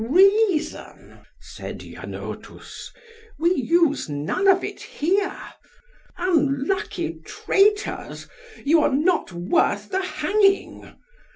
Reason? said Janotus. We use none of it here. Unlucky traitors, you are not worth the hanging.